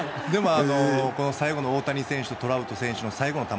この最後の大谷選手とトラウト選手の最後の球。